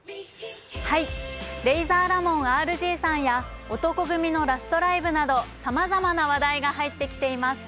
レイザーラモンＲＧさんや男闘呼組のラストライブなどさまざまな話題が入ってきています。